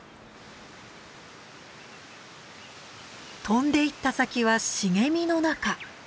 飛んでいった先は茂みの中。